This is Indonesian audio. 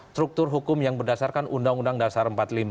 struktur hukum yang berdasarkan undang undang dasar empat puluh lima